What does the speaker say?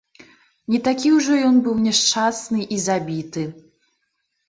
Не такі ўжо ён быў няшчасны і забіты!